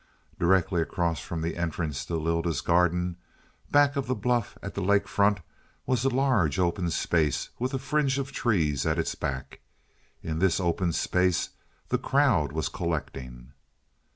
Directly across from the entrance to Lylda's garden, back of the bluff at the lake front, was a large open space with a fringe of trees at its back. In this open space the crowd was collecting.